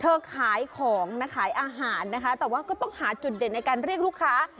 ขายของนะขายอาหารนะคะแต่ว่าก็ต้องหาจุดเด่นในการเรียกลูกค้า